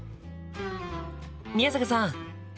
宮坂さん！